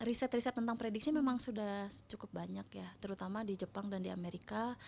riset riset tentang prediksi memang sudah cukup banyak ya terutama di jepang dan di amerika